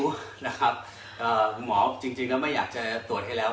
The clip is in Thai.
คุณหมอจริงแล้วไม่อยากจะตรวจให้แล้ว